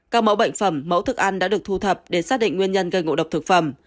các mẫu bệnh phẩm mẫu thức ăn đã được thu thập để xác định nguyên nhân gây ngộ độc thực phẩm